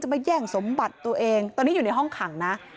มาแย่งสมบัติตัวเองตอนนี้อยู่ในห้องขังนะ